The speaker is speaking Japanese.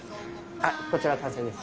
あっこちら完成です。